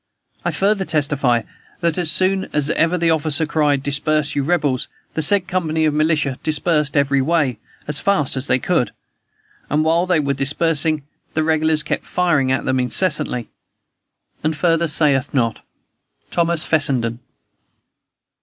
I further testify, that, as soon as ever the officer cried, "Disperse, you rebels," the said company of militia dispersed every way, as fast as they could; and, while they were dispersing, the regulars kept firing at them incessantly. And further saith not. "THOMAS FESSENDEN."